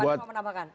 bapak mau menambahkan